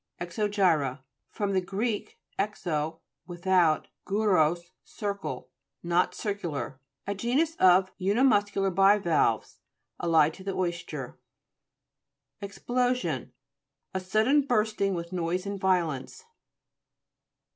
EXO'GYBA fr. gr. exo, without, gu ros, circle. Not circular. (Figs. 109, 115, 125, 135.) A genus of unimuscular bivalves, allied to the oyster. EXPLOSION A sudden bursting with noise and violence.